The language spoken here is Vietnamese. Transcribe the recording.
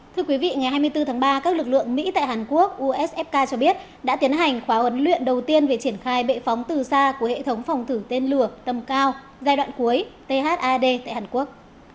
thưa quý vị ngày hai mươi bốn tháng ba các lực lượng mỹ tại hàn quốc usfk cho biết đã tiến hành khóa huấn luyện đầu tiên về triển khai bệ phóng từ xa của hệ thống phòng thử tên lửa tầm cao giai đoạn cuối thad tại hàn quốc